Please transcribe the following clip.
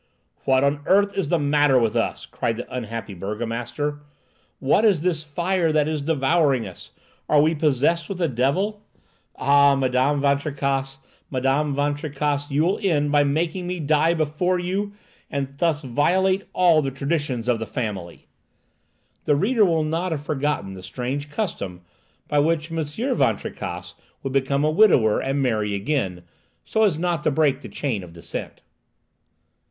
"What on earth is the matter with us?" cried the unhappy burgomaster. "What is this fire that is devouring us? Are we possessed with the devil? Ah, Madame Van Tricasse, Madame Van Tricasse, you will end by making me die before you, and thus violate all the traditions of the family!" The reader will not have forgotten the strange custom by which M. Van Tricasse would become a widower and marry again, so as not to break the chain of descent.